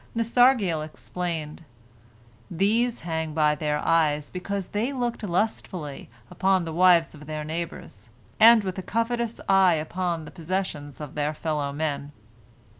Nasargiel explained: "These hang by their eyes, because they looked lustfully upon the wives of their neighbors, and with a covetous eye upon the possessions of their fellow men.